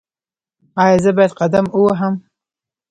ایا زه باید قدم ووهم؟